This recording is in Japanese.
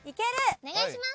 お願いします。